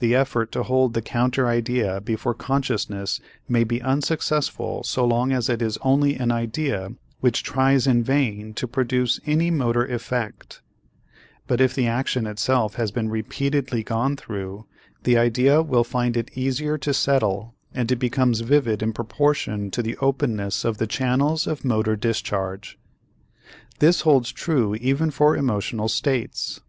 The effort to hold the counter idea before consciousness may be unsuccessful so long as it is only an idea which tries in vain to produce any motor effect; but if the action itself has been repeatedly gone through, the idea will find it easier to settle and it becomes vivid in proportion to the openness of the channels of motor discharge. This holds true even for emotional states.